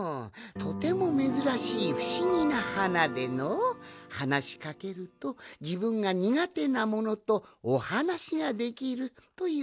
とてもめずらしいふしぎなはなでのはなしかけるとじぶんがにがてなものとおはなしができるといわれとるんじゃ。